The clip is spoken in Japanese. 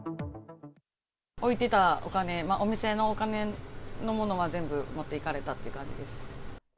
置いてたお金、お店のお金のものは全部持っていかれたという感じです。